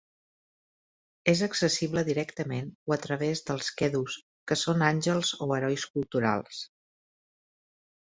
És accessible directament o a través dels "qedus", que són àngels o herois culturals.